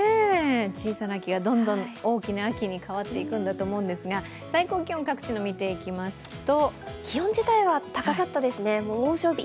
小さな秋がどんどん大きな秋に変わっていくんだと思いますが、最高気温、各地を見ていきますと気温自体は高かったですね、猛暑日